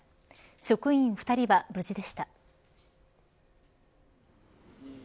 職員２人は無事でした。